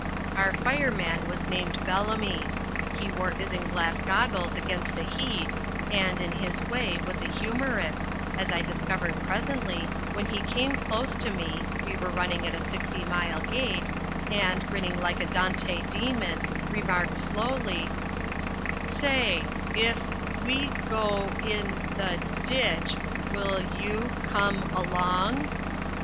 Our fireman was named Bellamy. He wore isinglass goggles against the heat, and, in his way, he was a humorist, as I discovered presently, when he came close to me (we were running at a sixty mile gait), and, grinning like a Dante demon, remarked slowly: "Say if we go in the ditch will you come along?"